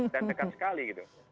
dan dekat sekali